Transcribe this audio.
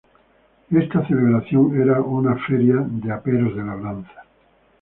Esta celebración era una feria de aperos de labranza.